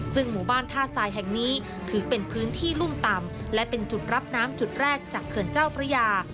ซึ่งหมู่บ้านท่าทรายแห่งนี้ถือเป็นพื้นที่รุ่มต่ำและเป็นจุดรับน้ำจุดแรกจากเขื่อนเจ้าพระยา